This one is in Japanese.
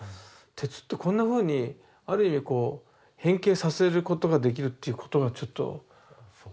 鉄ってこんなふうにある意味こう変形させることができるっていうことがちょっと驚いた。